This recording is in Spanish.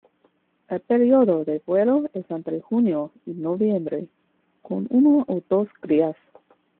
El período de vuelo es entre junio y noviembre, con una o dos crías.